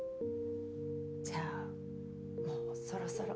じゃあもうそろそろ。